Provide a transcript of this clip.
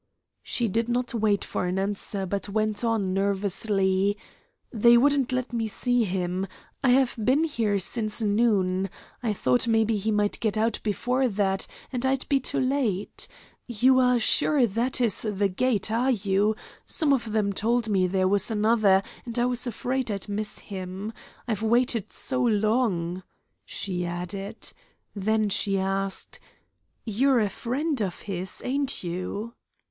She did not wait for an answer, but went on, nervously: "They wouldn't let me see him. I have been here since noon. I thought maybe he might get out before that, and I'd be too late. You are sure that is the gate, are you? Some of them told me there was another, and I was afraid I'd miss him. I've waited so long," she added. Then she asked, "You're a friend of his, ain't you?"